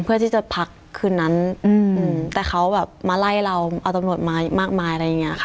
เพื่อที่จะพักคืนนั้นแต่เขาแบบมาไล่เราเอาตำรวจมามากมายอะไรอย่างนี้ค่ะ